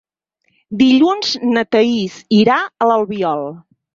Dilluns na Thaís irà a l'Albiol.